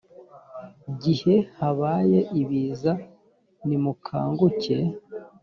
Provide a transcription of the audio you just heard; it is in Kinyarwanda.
gihe habaye ibiza nimukanguke